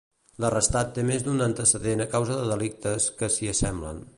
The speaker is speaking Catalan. L'arrestat té més d'un antecedent a causa de delictes que s'hi assemblen.